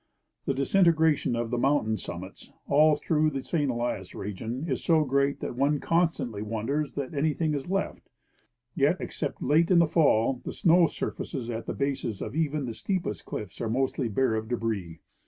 The disintegration of the mountain summits all through the St. Elia? region is so great that one constantly wonders that any thing is left ; yet, except late in the fall, the snow surfaces at the bases of even the steepest cliffs are mostly bare of debris.